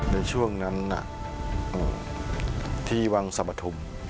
ในช่วงนั้นที่วังสรรปฐุม